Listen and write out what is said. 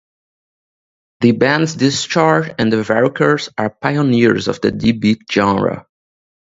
The bands Discharge and The Varukers are pioneers of the D-beat genre.